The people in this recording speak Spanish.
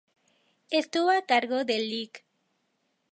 Estuvo a cargo del Lic.